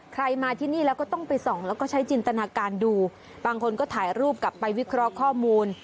ใครมาที่นี่แล้วก็ต้องไปส่องแล้วก็ใช้จินตนาการดูบางคนก็ถ่ายรูปกลับไปวิเคราะห์ข้อมูล